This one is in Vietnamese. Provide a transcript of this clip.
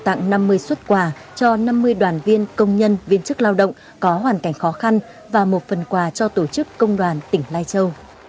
đồng chí đã trao tặng năm mươi xuất quà cho năm mươi đoàn viên công nhân viên chức lao động có hoàn cảnh khó khăn và một phần quà cho tổ chức công đoàn lai châu